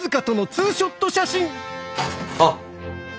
あっ。